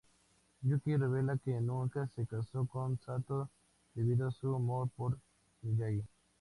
Yukie revela que nunca se casó con Sato debido a su amor por Miyagi.